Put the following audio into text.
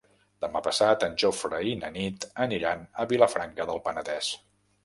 Demà passat en Jofre i na Nit aniran a Vilafranca del Penedès.